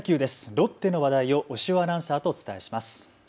ロッテの話題を押尾アナウンサーとお伝えします。